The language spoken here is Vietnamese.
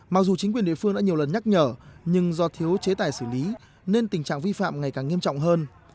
mặc dù chính quyền địa phương đã nhiều lần nhắc nhở nhưng do thiếu chế tài xử lý nên tình trạng vi phạm ngày càng nghiêm trọng hơn